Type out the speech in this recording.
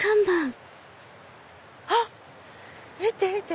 あっ見て見て！